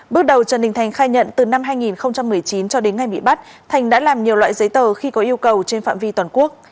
bước đầu trần đình thành khai nhận từ năm hai nghìn một mươi chín cho đến ngày bị bắt thành đã làm nhiều loại giấy tờ khi có yêu cầu trên phạm vi toàn quốc